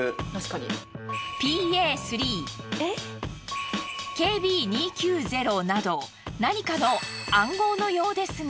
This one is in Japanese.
ＰＡ−３ＫＢ２９０など何かの暗号のようですが。